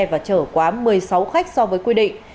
và trở quá một mươi sáu khách so với quy định